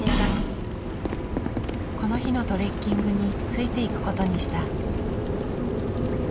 この日のトレッキングについていくことにした。